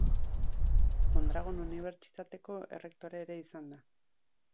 Mondragon Unibertsitateko errektore ere izan da.